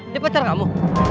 dia pacar kamu